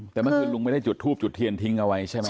แต่เมื่อคืนลุงไม่ได้จุดทูบจุดเทียนทิ้งเอาไว้ใช่ไหม